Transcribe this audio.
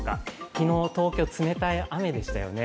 昨日、東京、冷たい雨でしたよね。